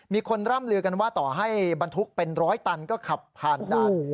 มีคนร่ำลือกันว่าต่อให้บรรทุกเป็นร้อยตันก็ขับผ่านด่าน